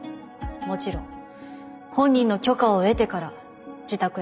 もちろん本人の許可を得てから自宅へ入りました。